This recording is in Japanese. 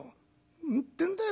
「何言ってんだよ